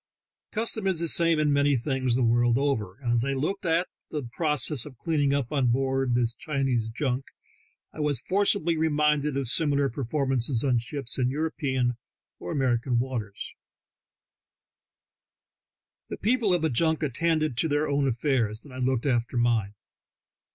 Custom is the same in many things the world over, and as I looked at the process of clearing up on board this Chinese junk, I was forcibly reminded of similar performances on ships in European or American waters, 18 THE TALKING HANDKERCHIEF. The people of the junk attended to their own affairs, and I looked after mine.